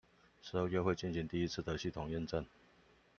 十二月會進行第一次的系統驗證